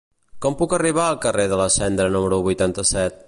Com puc arribar al carrer de la Cendra número vuitanta-set?